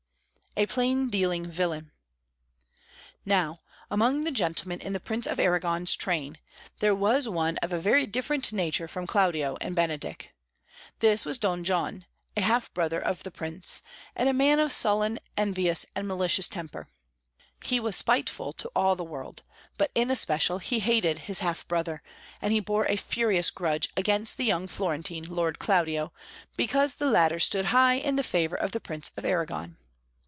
A Plain dealing Villain Now, among the gentlemen in the Prince of Arragon's train there was one of a very different nature from Claudio and Benedick. This was Don John, a half brother of the Prince, and a man of sullen, envious, and malicious temper. He was spiteful to all the world, but in especial he hated his half brother, and he bore a furious grudge against the young Florentine lord Claudio, because the latter stood high in the favour of the Prince of Arragon.